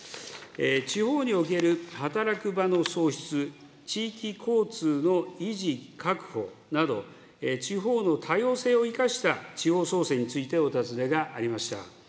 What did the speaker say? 地方における働く場の創出、地域交通の維持、確保など、地方の多様性を生かした地方創生についてお尋ねがありました。